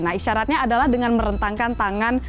nah isyaratnya adalah dengan merentangkan tangan